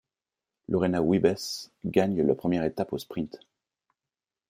Lorena Wiebes gagne la première étape au sprint.